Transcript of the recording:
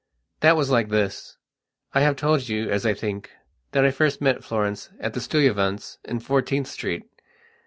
That was like this: I have told you, as I think, that I first met Florence at the Stuyvesants', in Fourteenth Street.